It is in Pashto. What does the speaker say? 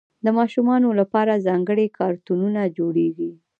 د ماشومانو لپاره ځانګړي کارتونونه جوړېږي.